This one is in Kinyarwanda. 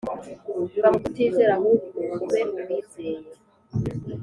va mu kutizera ahubwo ube uwizeye